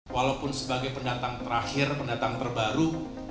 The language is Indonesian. walaupun sebagai pendatang terakhir pendatang terbaru